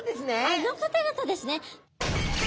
あの方々ですね。